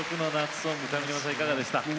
ソング上沼さん、いかがでしたか？